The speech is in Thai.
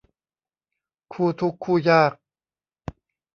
คู่ทุกข์คู่ยาก